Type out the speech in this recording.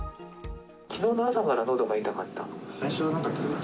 きのうの朝からのどが痛かったの？